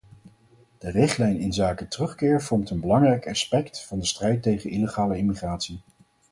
De richtlijn inzake terugkeer vormt een belangrijk aspect van de strijd tegen illegale immigratie.